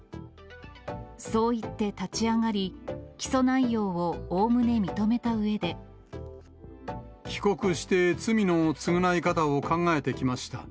そう言って、立ち上がり、帰国して罪の償い方を考えてきました。